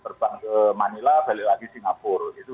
terbang ke manila balik lagi singapura gitu